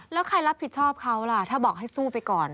แล้วใครรับผิดชอบเขาล่ะถ้าบอกให้สู้ไปก่อน